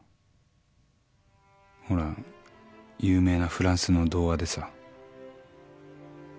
ほら有名なフランスの童話でさ